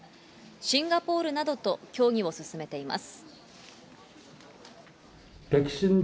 シンガポールなどと協議を進めています。